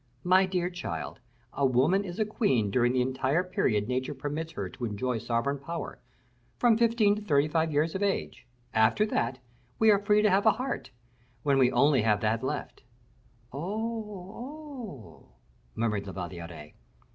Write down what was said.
My dear child, a woman is a queen during the entire period nature permits her to enjoy sovereign power from fifteen to thirty five years of age. After that, we are free to have a heart, when we only have that left " "Oh, oh!" murmured La Valliere.